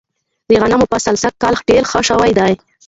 د غنمو فصل سږ کال ډیر ښه شوی دی.